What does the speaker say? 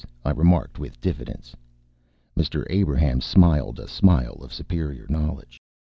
I remarked, with diffidence. Mr. Abrahams smiled a smile of superior knowledge.